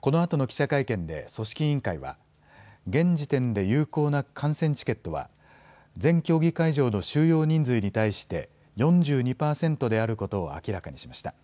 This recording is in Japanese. このあとの記者会見で、組織委員会は、現時点で有効な観戦チケットは、全競技会場の収容人数に対して、４２％であることを明らかにしました。